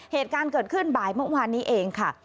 เหตุการณ์เกิดขึ้นบ่ายเมื่อวานนี้เองค่ะ